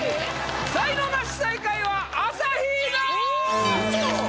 才能ナシ最下位は朝日奈央！